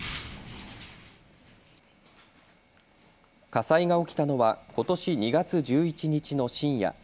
火災が起きたのはことし２月１１日の深夜。